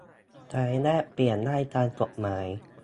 ใช้แลกเปลี่ยนได้ตามกฎหมาย